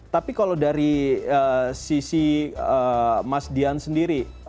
tapi kalau dari sisi mas dian sendiri